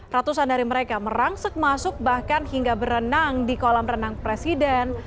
ratusan dari mereka merangsek masuk bahkan hingga berenang di kolam renang presiden